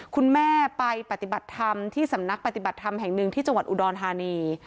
คุณแม่ไปปฏิบัติธรรมที่สำนักปฏิบัติธรรมแห่งหนึ่งที่จังหวัดอุดรธานี